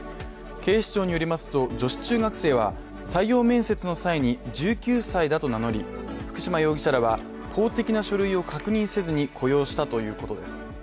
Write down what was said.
警視庁によりますと、女子中学生は採用面接の際に１９歳だと名乗り、福島容疑者らは公的な書類を確認せずに雇用したということです。